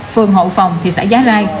phường hộ phòng thị xã giá rai